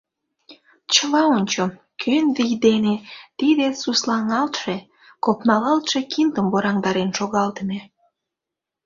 Чыла ончо — кӧн вий дене тиде суслаҥалтше, копналалтше киндым ворандарен шогалтыме?